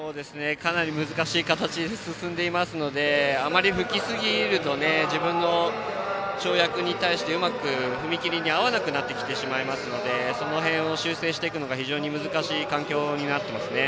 かなり難しい形で進んでいますのであまり吹きすぎると自分の跳躍に対して、うまく踏み切りに合わなくなるのでその辺を修正していくのが非常に難しい環境ですね。